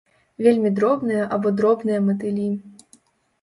Вельмі дробныя або дробныя матылі.